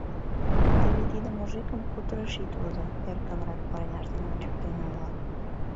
— Теве тиде мужикым хуторыш ит возо, — эркынрак, парняж дене ончыктен ойла.